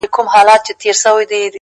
راته ښكلا راوړي او ساه راكړي”